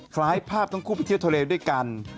คล้ายภาพทั้งคู่ไปเที่ยวทะเลด้วยกัน